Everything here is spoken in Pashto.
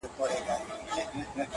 شمع كوچ سوه د محفل له ماښامونو.!